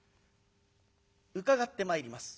伺ってまいります。